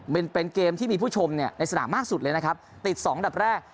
เป็นเป็นเกมที่มีผู้ชมเนี่ยในสนามมากสุดเลยนะครับติดสองอันดับแรก